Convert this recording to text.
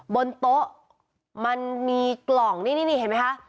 บนโต๊ะมันมีกล่องนี่นี่เห็นไหมคะ